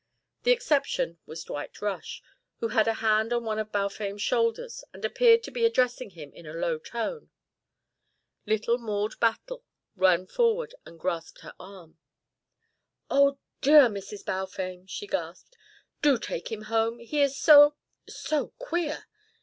The exception was Dwight Rush who had a hand on one of Balfame's shoulders and appeared to be addressing him in a low tone. Little Maude Battle ran forward and grasped her arm. "Oh, dear Mrs. Balfame," she gasped, "do take him home. He is so so queer.